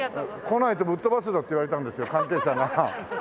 来ないとぶっ飛ばすぞって言われたんですよ関係者が。